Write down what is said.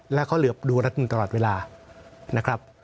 และเขาเหลือดูรัฐธรรมนูญตลอดเวลานะครับ